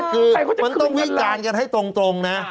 คือมันต้องวิจารณ์กันให้ตรงนะ